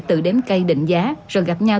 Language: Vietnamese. tự đếm cây định giá rồi gặp nhau